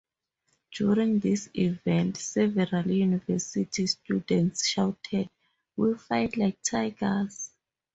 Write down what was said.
During this event, several university students shouted, We fight like Tigers!